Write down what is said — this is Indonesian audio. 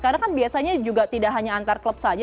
karena kan biasanya juga tidak hanya antar klub saja